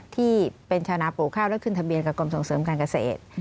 ที่เป็นชาวนาปลูกข้าวและขึ้นทะเบียนกับกรมส่งเสริมการเกษตร